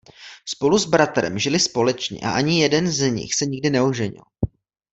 Spolu s bratrem žili společně a ani jeden z nich se nikdy neoženil.